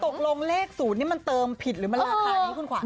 ตกลงเลขศูนย์นี้มันเติมผิดหรือมันราคานี้คุณขวาน